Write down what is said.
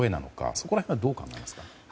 そこら辺はどう考えますか？